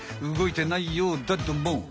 動いてないようだども。